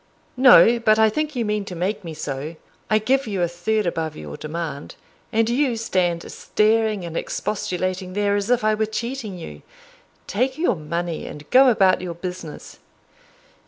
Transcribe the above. "No; but I think you mean to make me so I give you a third above your demand, and you stand staring and expostulating there as if I were cheating you. Take your money, and go about your business."